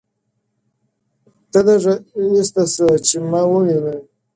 ته لږه ایسته سه چي ما وویني.